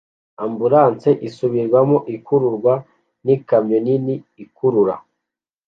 Ambulanse isubirwamo ikururwa n'ikamyo nini ikurura